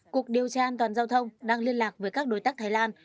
cục điều tra an toàn giao thông đang liên lạc với các đối tác thái lan